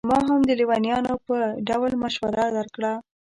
ما هم د لېونیانو په ډول مشوره درکړه.